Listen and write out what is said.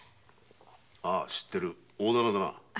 ああ知ってる大店だな。